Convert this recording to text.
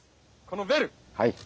このベル。